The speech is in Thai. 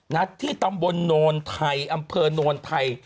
นัทที่ตำบลนวลไทยอำเภอนวลไทย